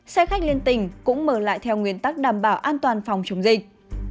xe khách liên tỉnh cũng mở lại theo nguyên tắc đảm bảo an toàn phòng chống dịch